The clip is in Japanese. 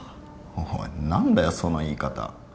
おい何だよその言い方。